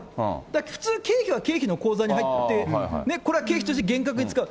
だから普通、経費は経費の口座に入ってね、これは経費として厳格に使う。